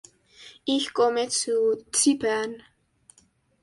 Ich komme zu Zypern.